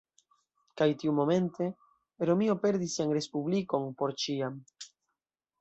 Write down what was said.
Kaj tiumomente Romio perdis sian Respublikon por ĉiam.